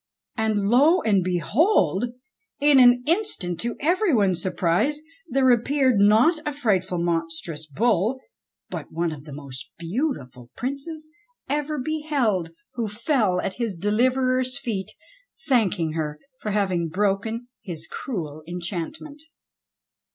And lo and behold ! in an instant, to every one's surprise, there appeared, not a frightful monstrous bull, but one of the most beautiful Princes ever beheld, who fell at his de liverer's feet, thanking her for having broken his cruel en chantment.